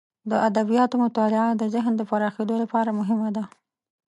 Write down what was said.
د ادبیاتو مطالعه د ذهن د پراخیدو لپاره مهمه ده.